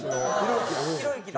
ひろゆきだ。